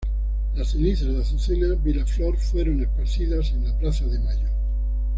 Las cenizas de Azucena Villaflor fueron esparcidas en la Plaza de Mayo.